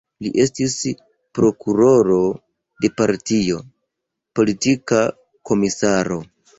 Li estis prokuroro de partio, politika komisaro.